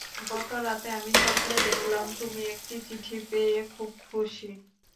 গত রাতে আমি স্বপ্নে দেখলাম, তুমি একটি চিঠি পেয়ে খুব খুশি।